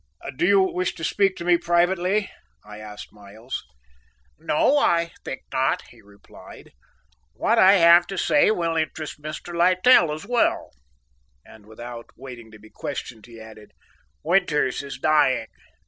"Do you wish to speak to me privately?" I asked Miles. "No, I think not," he replied; "what I have to say will interest Mr. Littell as well"; and without waiting to be questioned, he added, "Winters is dying!"